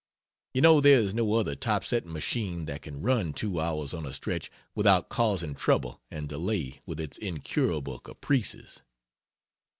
You know there is no other typesetting machine that can run two hours on a stretch without causing trouble and delay with its incurable caprices.